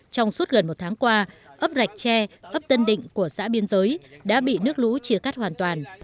trong suốt gần một tháng qua ấp rạch tre ấp tân định của xã biên giới đã bị nước lũ chia cắt hoàn toàn